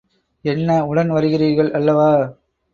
என்ன, உடன் வருகிறீர்கள் அல்லவா?